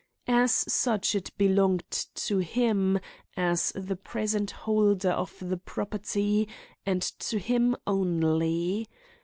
As such it belonged to him as the present holder of the property, and to him only.